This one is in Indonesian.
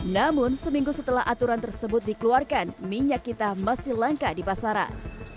namun seminggu setelah aturan tersebut dikeluarkan minyak kita masih langka di pasaran